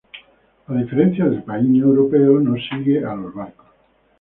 A diferencia del paíño europeo no sigue a los barcos.